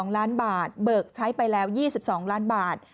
๒ล้านบาทเบิกใช้ไปแล้ว๒๒ล้านบาท